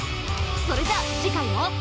それじゃあ次回も。